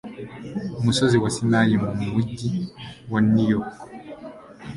umusozi wa Sinayi mu mujyi wa New York